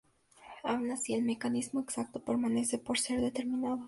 Aun así, el mecanismo exacto permanece por ser determinado.